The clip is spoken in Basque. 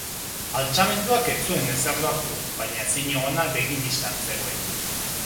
Altxamenduak ez zuen ezer lortu, baina ezinegona begi bistan zegoen.